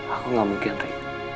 aku gak mungkin ri